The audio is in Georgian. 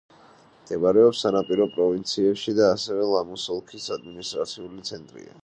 მდებარეობს სანაპირო პროვინციაში და ასევე ლამუს ოლქის ადმინისტრაციული ცენტრია.